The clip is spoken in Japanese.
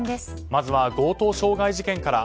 まずは強盗傷害事件から。